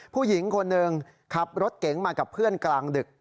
ผู้หญิงคนหนึ่งขับรถเก๋งมากับเพื่อนกลางดึก